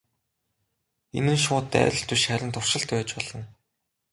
Энэ нь шууд дайралт биш харин туршилт байж болно.